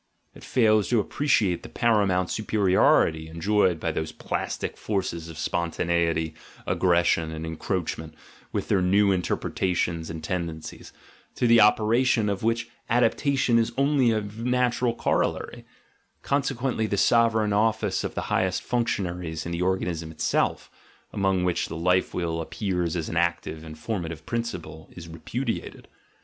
It fails to appreciate the para mount superiority enjoyed by those plastic forces of spon taneity, aggression, and encroachment with their new in terpretations and tendencies, to the operation of which adaptation is only a natural corollary: consequently the sovereign office of the highest functionaries in the organ ism itself (among which the life will appears as an active and formative principle) is repudiated.